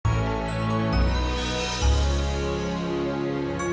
kayaknya ada semacam paham kepentingannya